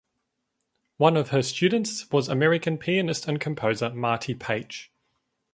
One of her students was American pianist and composer Marty Paich.